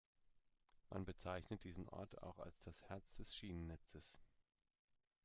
Man bezeichnet diesen Ort auch als das Herz des Schienennetzes.